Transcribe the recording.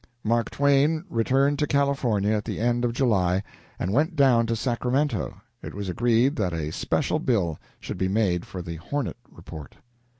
Mark Twain returned to California at the end of July, and went down to Sacramento. It was agreed that a special bill should be made for the "Hornet" report.